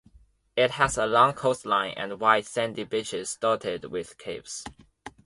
It has a long coastline and white sandy beaches dotted with caves.